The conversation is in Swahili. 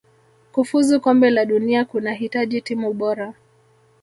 kufuzu kombe la dunia kunahitaji timu bora